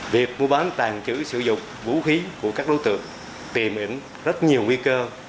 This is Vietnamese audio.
việc mua bán tàng trữ sử dụng vũ khí của các đối tượng tìm ẩn rất nhiều nguy cơ